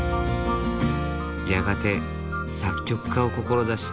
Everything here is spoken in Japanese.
やがて作曲家を志し